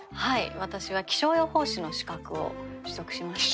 私は気象予報士の資格を取得しました。